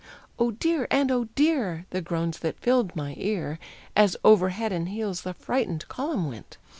"Oh, dear!" and "Oh, dear!" The groans that filled my ear. As over head and heels the frightened column went!